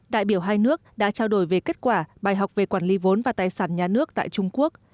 đại biểu hai nước đã trao đổi về kết quả bài học về quản lý vốn và tài sản nhà nước tại trung quốc